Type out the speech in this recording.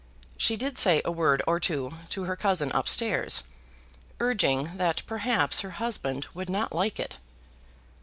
She did say a word or two to her cousin up stairs, urging that perhaps her husband would not like it.